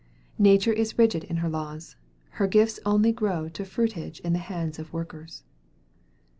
Nature is rigid in her laws. Her gifts only grow to fruitage in the hands of workers.